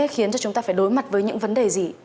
khiến cho chúng ta phải đối mặt với những vấn đề gì